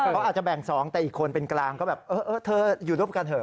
เขาอาจจะแบ่ง๒แต่อีกคนเป็นกลางก็แบบเออเธออยู่ร่วมกันเถอ